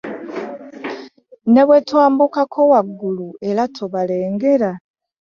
Ne bwe twambukako waggulu era tobalengera.